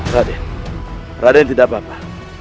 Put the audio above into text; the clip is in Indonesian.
raden raden tidak apa apa